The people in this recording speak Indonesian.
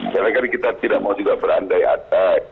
karena kita tidak mau juga berandai atas